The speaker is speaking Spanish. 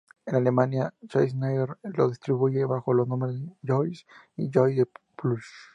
En Alemania Schneider los distribuye bajo los nombres de Joyce y Joyce Plus.